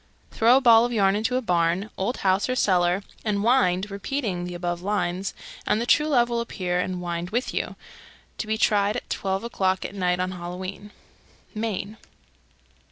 Throw a ball of yarn into a barn, old house, or cellar, and wind, repeating the above lines, and the true love will appear and wind with you. To be tried at twelve o'clock at night, on Halloween. _Maine.